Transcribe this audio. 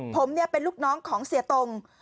ผมเนี่ยเป็นลูกน้องของเสียตง